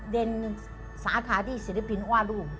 เรียนรู้สินค้าที่ศิษย์ธิปินว่ารูป